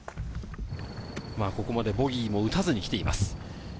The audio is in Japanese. ここまでボギーを打たずに来ています。